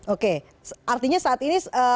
oke artinya saat ini